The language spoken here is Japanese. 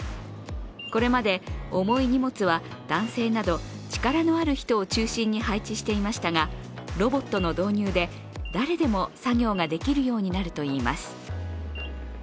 これまで重い荷物は男性など力のある人を中心に配置していましたが、ロボットの導入で誰でも作業ができるようになるといいます。